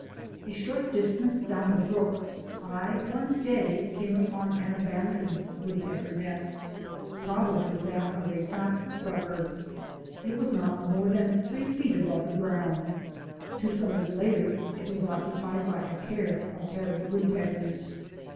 A short distance down the brook I one day came upon an abandoned woodpecker nest — probably that of a sapsucker. It was not more than three feet above the ground. WAITING IN THE WILDERNESS 29 Two summers later it was occupied by a pair of hairy woodpeckers.